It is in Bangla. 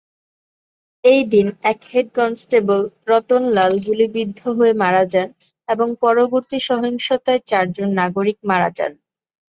এই দিন, এক হেড কনস্টেবল রতন লাল গুলিবিদ্ধ হয়ে মারা যান এবং পরবর্তী সহিংসতায় চারজন নাগরিক মারা যান।